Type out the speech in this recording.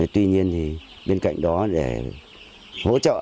tuy nhiên bên cạnh đó để hỗ trợ